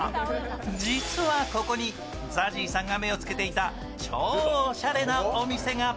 実はここにＺＡＺＹさんが目をつけていた超おしゃれなお店が。